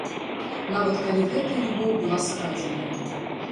Нават калі гэтая любоў была скрадзеная.